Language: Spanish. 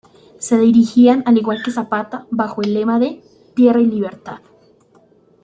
Se dirigían al igual que Zapata, bajo el lema de "Tierra y Libertad"